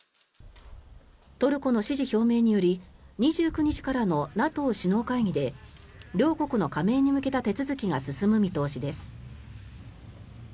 トルコの支持表明により２９日からのＮＡＴＯ首脳会議で両国の加盟に向けた手続きが進む見通しです。